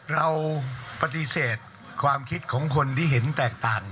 เราปฏิเสธความคิดของคนที่เห็นแตกต่าง